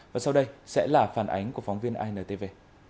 và sau đây sẽ là phản ánh của phóng viên intv